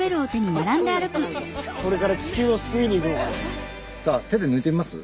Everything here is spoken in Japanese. これから地球を救いに行くのかな。